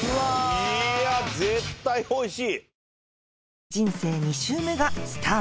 いや絶対おいしい。